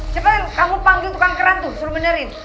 cobain kamu panggil tukang keran tuh suruh benerin